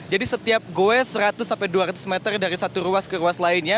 jadi setiap goe seratus sampai dua ratus meter dari satu ruas ke ruas lainnya